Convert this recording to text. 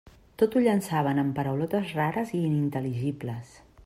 Tot ho llançaven amb paraulotes rares i inintel·ligibles.